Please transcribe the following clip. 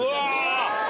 うわ！